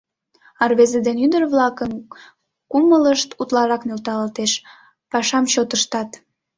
А рвезе ден ӱдыр-влакын кумылышт утларак нӧлталтеш, пашам чот ыштат.